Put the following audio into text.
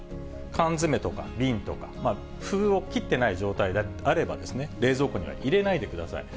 缶詰とか瓶とか、封を切ってない状態であれば、冷蔵庫には入れないでください。